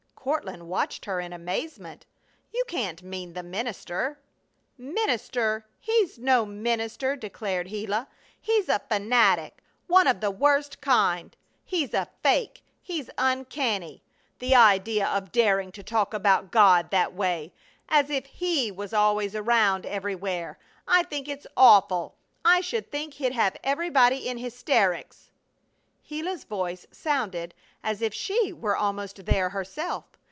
Courtland watched her in amazement. "You can't mean the minister!" "Minister! He's no minister!" declared Gila. "He's a fanatic! One of the worst kind. He's a fake! He's uncanny! The idea of daring to talk about God that way as if He was always around every where! I think it's awful! I should think he'd have everybody in hysterics!" Gila's voice sounded as if she were almost there herself.